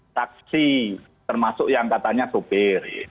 saksi termasuk yang katanya sopir